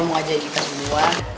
mau ajak kita semua